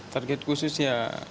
target khusus ya